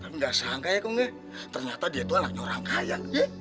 enggak sangka ya kongnya ternyata dia tuh anaknya orang kaya